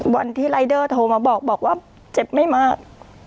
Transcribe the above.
วันที่รายเดอร์โทรมาบอกบอกว่าเจ็บไม่มาก